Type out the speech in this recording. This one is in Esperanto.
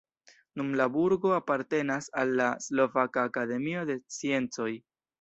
Nun la burgo apartenas al la Slovaka Akademio de Sciencoj.